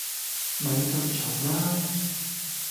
咪咁嘈啦